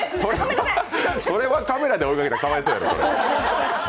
それはカメラで追いかけたらかわいそうやわ。